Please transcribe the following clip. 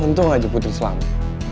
untung aja putri selamat